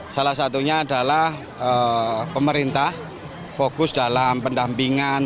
salah satunya adalah pemerintah fokus dalam pendampingan